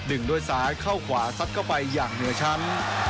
ด้วยซ้ายเข้าขวาซัดเข้าไปอย่างเหนือช้ำ